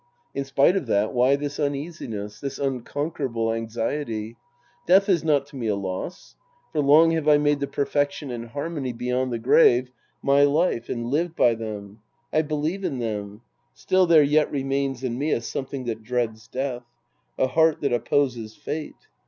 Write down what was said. In spite of that, why this uneasiness ? This unconquerable anxiety ? Death is not to me a loss. For long have I made the perfection and harmony beyond the grave my life and lived by them. I believe in them. Still there yet remains in me a something that dreads death. A heart that opposes fate.